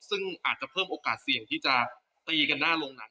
ซึ่งอาจจะเพิ่มโอกาสเสี่ยงที่จะตีกันหน้าโรงหนัง